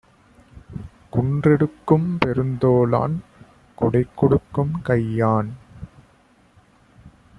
குன்றெடுக்கும் பெருந்தோளான் கொடைகொடுக்கும் கையான்!